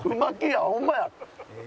ホンマや。